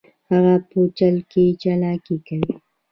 هغه په چل کې چلاکي کوي